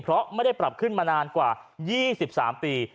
เพราะไม่ได้ปรับขึ้นมานานกว่า๒๓ปี